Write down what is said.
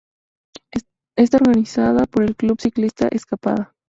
Está organizada por el Club Ciclista Escapada.